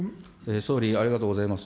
総理、ありがとうございます。